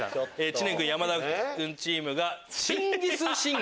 知念君・山田君チームが。